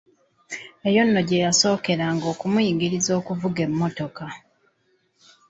Eyo nno gye yasookeranga okumuyigiriza okuvuga emmotoka.